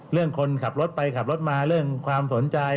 คนขับรถไปขับรถมาเรื่องความสนใจ